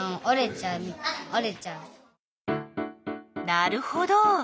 なるほど。